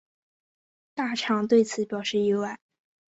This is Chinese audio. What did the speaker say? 大场对此表示意外。